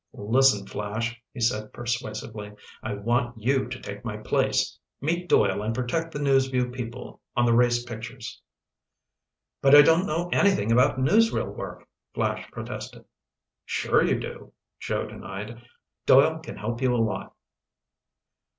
"Listen, Flash," he said persuasively, "I want you to take my place. Meet Doyle and protect the News Vue people on the race pictures." "But I don't know anything about newsreel work!" Flash protested. "Sure you do," Joe denied. "Doyle can help you a lot."